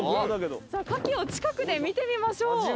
カキを近くで見てみましょう。